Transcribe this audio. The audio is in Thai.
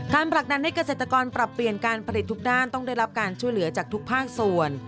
ผลักดันให้เกษตรกรปรับเปลี่ยนการผลิตทุกด้านต้องได้รับการช่วยเหลือจากทุกภาคส่วน